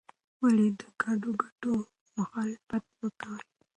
ولې د ګډو ګټو مخالفت مه کوې؟